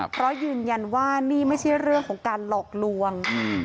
เพราะยืนยันว่านี่ไม่ใช่เรื่องของการหลอกลวง